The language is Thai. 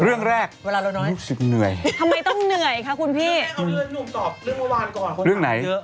เรื่องแรกรู้สึกเหนื่อย